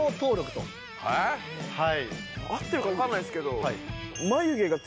合ってるか分かんないですけど。